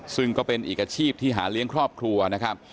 ซึ่งก็เป็นอีกอาชีพที่หาเลี้ยงครอบครัวนะครับ